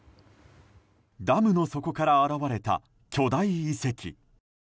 ダムの底から現れた巨大遺跡。